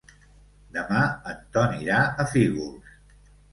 Demà en Ton irà a Fígols.